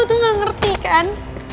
aku tuh gak ngerti kan